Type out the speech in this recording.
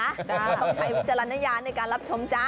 ต้องใช้วิจารณญาณในการรับชมจ๊ะ